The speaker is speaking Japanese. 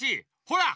ほら！